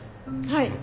はい。